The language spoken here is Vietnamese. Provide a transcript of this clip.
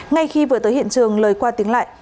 ngay khi vừa tới hiện trường lời qua tiếng lại